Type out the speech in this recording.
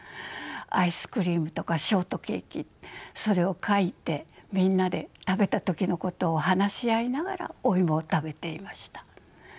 アイスクリームとかショートケーキそれを描いてみんなで食べた時のことを話し合いながらお芋を食べていました。